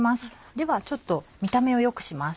ではちょっと見た目を良くします。